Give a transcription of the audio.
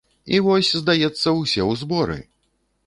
І вось, здаецца, усе ў зборы!